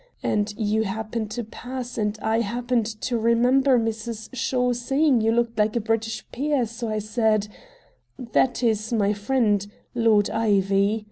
And you happened to pass, and I happened to remember Mrs. Shaw saying you looked like a British peer, so I said: 'That is my friend Lord Ivy.